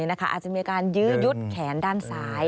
อาจจะมีการยื้อยุดแขนด้านซ้าย